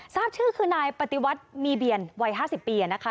ทราบชื่อคือนายปฏิวัติมีเบียนวัย๕๐ปีนะคะ